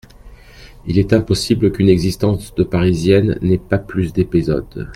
Il est impossible qu'une existence de Parisienne n'ait pas plus d'épisodes.